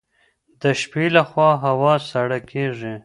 د شپې لخوا هوا سړه کیږي.